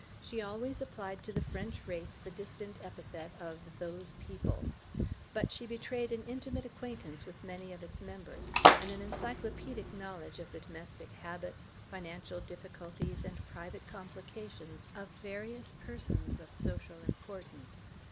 She always applied to the French race the distant epithet of "those people", but she betrayed an intimate acquaintance with many of its members, and an encyclopaedic knowledge of the domestic habits, financial difficulties and private complications of various persons of social importance.